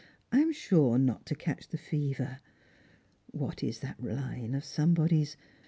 I am sure not to catch the fever. What is that line of somebody's